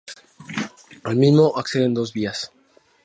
Al mismo acceden dos vías.